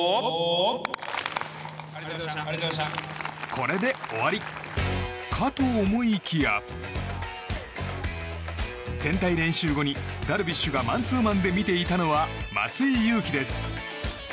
これで終わりかと思いきや全体練習後にダルビッシュがマンツーマンで見ていたのは松井裕樹です。